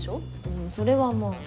うんそれはまあ。